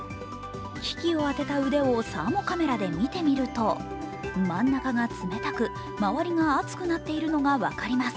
機器を当てた腕をサーモカメラで見てみると真ん中が冷たく、周りが熱くなっているのが分かります。